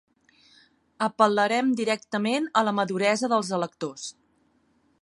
Apel·larem directament a la maduresa dels electors.